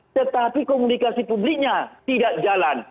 tetapi komunikasi publiknya tidak jalan